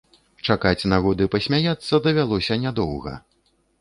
Чакаць нагоды пасмяяцца давялося нядоўга.